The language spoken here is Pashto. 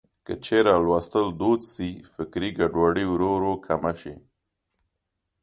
که چېرې لوستل دود شي، فکري ګډوډي ورو ورو کمه شي.